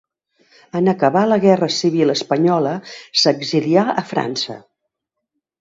En acabar la guerra civil espanyola s'exilià a França.